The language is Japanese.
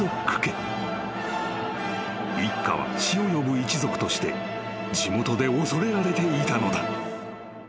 ［一家は死を呼ぶ一族として地元で恐れられていたのだ］